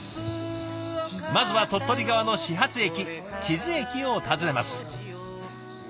まずは鳥取側の始発駅智頭駅を訪ねます。